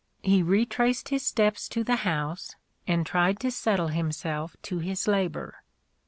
He retraced his steps to the house, and tried to settle himself to his labour.